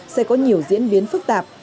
sẽ có nhiều diễn biến phức tạp